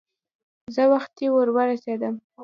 زه وختي ور ورسېدم.